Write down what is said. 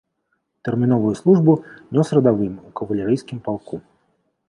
Тэрміновую службу нёс радавым у кавалерыйскім палку.